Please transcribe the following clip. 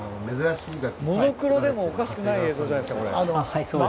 モノクロでもおかしくない映像じゃないですかこれ。